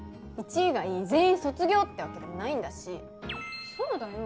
１位以外全員卒業ってわけでもないんだしそうだよ